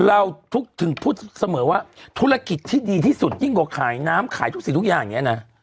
ถึงพูดเสมอว่าธุรกิจที่ดีที่สุดยิ่งกว่าขายน้ำขายทุกสิ่งทุกอย่างอย่างนี้นะ